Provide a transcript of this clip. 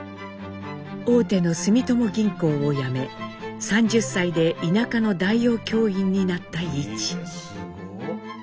大手の住友銀行を辞め３０歳で田舎の代用教員になった一。